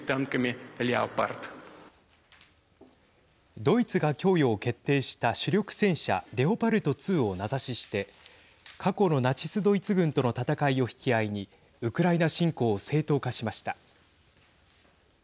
ドイツが供与を決定した主力戦車レオパルト２を名指しして過去のナチス・ドイツ軍との戦いを引き合いにウクライナ侵攻を正当化しました。